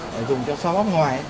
để dùng cho xo bóc ngoài